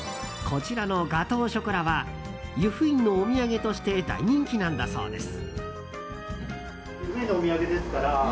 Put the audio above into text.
こちらのガトーショコラは由布院のお土産として大人気なんだそうです。